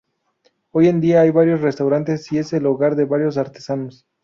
Hoy en día hay varios restaurantes y es el hogar de varios artesanos.